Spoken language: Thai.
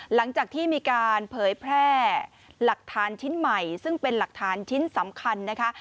หลังจากที่มีการเผยแพร่หลักฐานชิ้นใหม่ซึ่งเป็นหลักฐานชิ้นสำคัญนะคะ